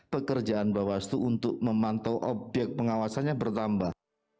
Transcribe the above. pekerjaan bawaslu untuk memantau obyek pengawasannya bertambah